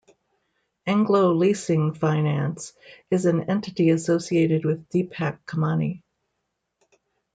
Anglo Leasing Finance is an entity associated with Deepak Kamani.